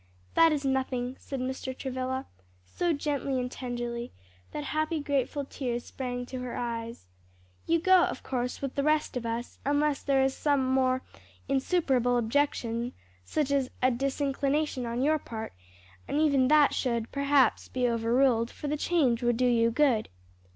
"That is nothing," said Mr. Travilla, so gently and tenderly that happy, grateful tears sprang to her eyes; "you go, of course, with the rest of us; unless there is some more insuperable objection such as a disinclination on your part, and even that should, perhaps, be overruled; for the change would do you good."